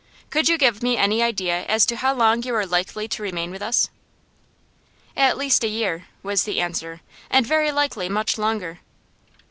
Could you give me any idea as to how long you are likely to remain with us?' 'At least a year,' was the answer, 'and very likely much longer.